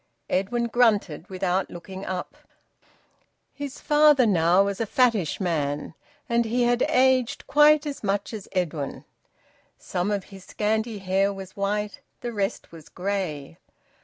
Edwin grunted without looking up. His father was now a fattish man, and he had aged quite as much as Edwin. Some of his scanty hair was white; the rest was grey.